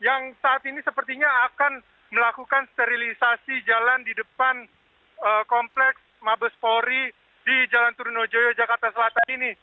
yang saat ini sepertinya akan melakukan sterilisasi jalan di depan kompleks mabes polri di jalan turunjoyo jakarta selatan ini